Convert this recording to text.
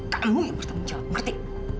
kamu yang bertanggung jawab ngerti